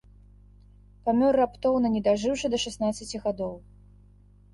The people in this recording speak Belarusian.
Памёр раптоўна, не дажыўшы да шаснаццаці гадоў.